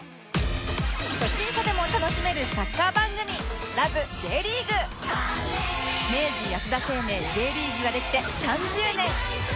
初心者でも楽しめるサッカー番組明治安田生命 Ｊ リーグができて３０年！